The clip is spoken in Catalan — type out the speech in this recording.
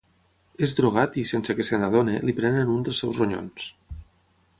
És drogat i, Sense que se n'adoni, li prenen un dels seus ronyons.